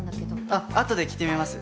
あとで着てみます。